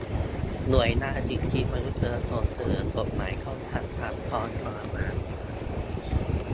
หน่วยงานสิทธิมนุษยชน เสนอกฎหมายป้องกันการซ้อมทรมาน